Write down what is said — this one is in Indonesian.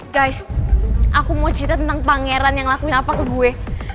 guys aku mau cerita tentang pangeran yang ngelakuin apa ke gue